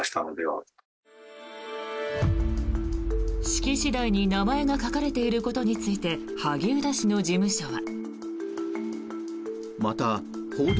式次第に名前が書かれていることについて萩生田氏の事務所は。